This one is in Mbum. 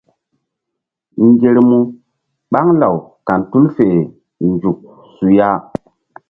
Ŋgermu ɓaŋ law kan tul fe nzuk su ya.